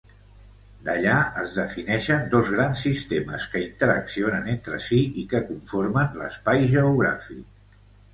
D'allà es defineixen dos grans sistemes que interaccionen entre si i que conformen l'espai geogràfic.